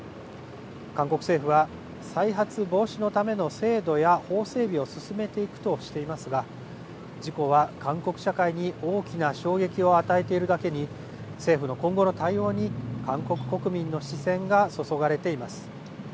韓国政府は再発防止のための制度や法整備を進めていくとしていますが事故は韓国社会に大きな衝撃を与えているだけに政府の今後の対応に韓国国民の視線がはい。